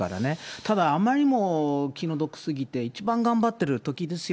ただ、あまりにもお気の毒すぎて、一番頑張ってるときですよ。